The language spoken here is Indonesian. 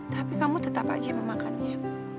tapi kamu tetap aja memakannya